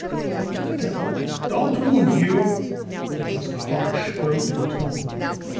"What the devil " "Don't move, you." It was a harsh, broken tone.